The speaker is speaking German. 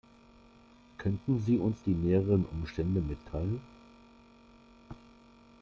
Könnten Sie uns die näheren Umstände mitteilen?